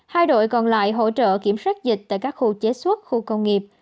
hai đội còn lại hỗ trợ kiểm soát dịch tại các khu chế xuất khu công nghiệp